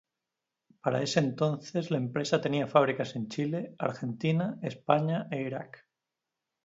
Para ese entonces la empresa tenía fábricas en Chile, Argentina, España e Irak.